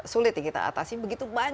sulit ya kita atasi begitu banyak ya